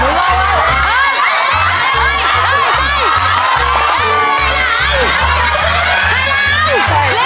ยังยังยังยังไม่ได้